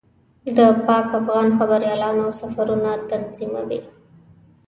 د پاک افغان خبریالانو سفرونه تنظیموي.